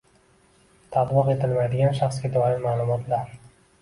tatbiq etilmaydigan shaxsga doir ma’lumotlar